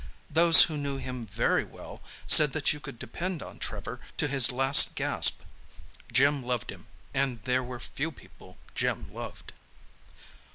Those who knew him very well said that you could depend on Trevor to his last gasp. Jim loved him—and there were few people Jim loved.